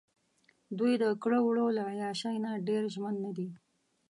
دوۍ دکړو وړو له عیاشۍ نه ډېر ژمن نه دي.